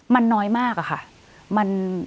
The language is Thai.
มันน้อยมากอะค่ะ